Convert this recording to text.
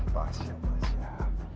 pas yang pas ya